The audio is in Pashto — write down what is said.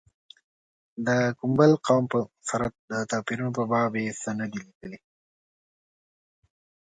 د کوم بل قوم سره توپیرونو په باب څه نه دي لیکلي.